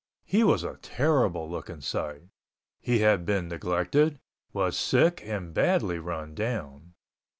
He was a terrible looking sight. He had been neglected, was sick and badly run down.